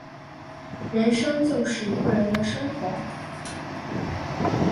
人生就是一个人的生活